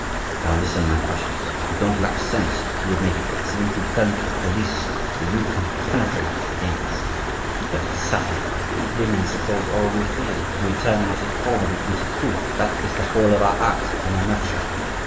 Now listen, my precious; you don't lack sense, you would make an excellent lieutenant of police, for you can penetrate things—" "But, sire, we women suppose all we fear, and we turn what is probable into truths; that is the whole of our art in a nutshell."